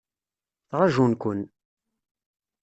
Ttrajun-kun.